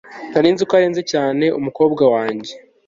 Nari nzi ko arenze cyane umukobwa wanjye